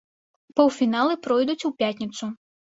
Паўфіналы пройдуць у пятніцу.